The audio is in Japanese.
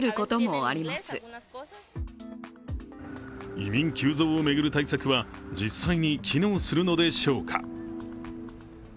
移民急増を巡る対策は実際に機能するのでしょうか。